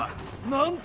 なんと！